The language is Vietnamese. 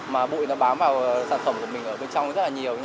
mà bụi nó bám vào sản phẩm của mình ở bên trong rất là nhiều